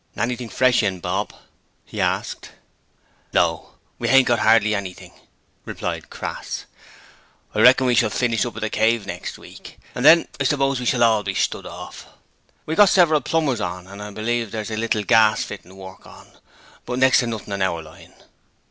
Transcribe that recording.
'Anything fresh in, Bob?' he asked. 'No; we ain't got 'ardly anything,' replied Crass. 'I reckon we shall finish up at "The Cave" next week, and then I suppose we shall all be stood orf. We've got several plumbers on, and I believe there's a little gas fitting work in, but next to nothing in our line.'